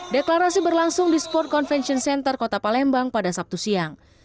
deklarasi berlangsung di sport convention center kota palembang pada sabtu siang